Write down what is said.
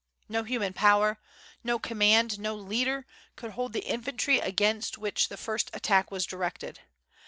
No human power, no command, no leader, could hold the infantry against which the first attack was directed.